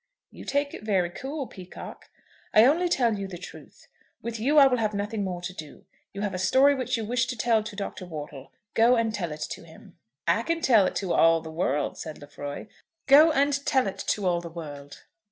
"You take it very cool, Peacocke." "I only tell you the truth. With you I will have nothing more to do. You have a story which you wish to tell to Dr. Wortle. Go and tell it to him." "I can tell it to all the world," said Lefroy. "Go and tell it to all the world."